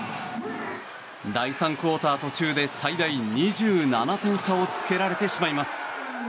第３クオーター途中で最大２７点差をつけられてしまいます。